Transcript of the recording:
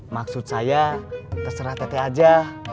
maksud saya terserah teteh aja